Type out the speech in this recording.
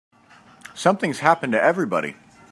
Something's happened to everybody.